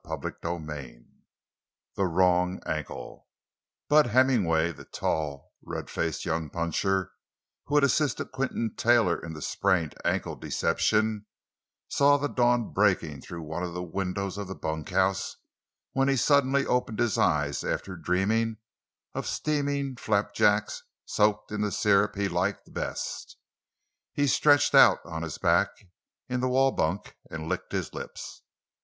CHAPTER XVII—THE WRONG ANKLE Bud Hemmingway, the tall, red faced young puncher who had assisted Quinton Taylor in the sprained ankle deception, saw the dawn breaking through one of the windows of the bunkhouse when he suddenly opened his eyes after dreaming of steaming flapjacks soaked in the sirup he liked best. He stretched out on his back in the wall bunk and licked his lips.